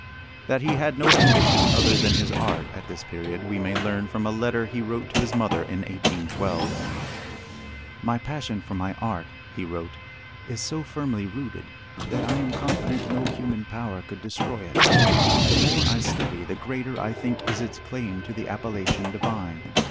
That he had no ambition other than his art at this period we may learn from a letter he wrote to his mother in 1812. My passion for my art [he wrote] is so firmly rooted that I am confident no human power could destroy it. The more I study the greater I think is its claim to the appellation divine.